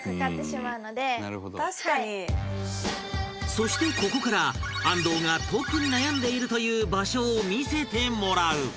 そしてここから安藤が特に悩んでいるという場所を見せてもらう